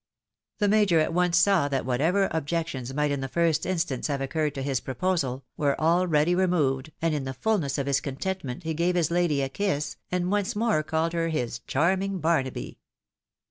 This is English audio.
The Major at once saw that whatever objections might in the first instance have occurred to his proposal, were already removed, and in the fulness of his contentment he gave his lady a kiss, and once more called her his " charming Barnaby."